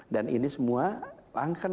dan ini semua akan